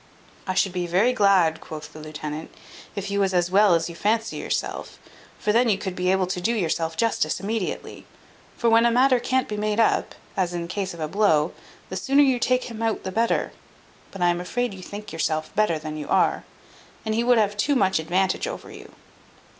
"I should be very glad," quoth the lieutenant, "if you was as well as you fancy yourself, for then you could be able to do yourself justice immediately; for when a matter can't be made up, as in case of a blow, the sooner you take him out the better; but I am afraid you think yourself better than you are, and he would have too much advantage over you."